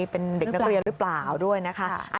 เป็นเด็กนักเรียนหรือเปล่าด้วยนะคะ